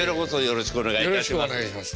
よろしくお願いします。